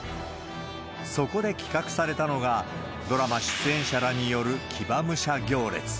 そこで企画されたのが、ドラマ出演者らによる騎馬武者行列。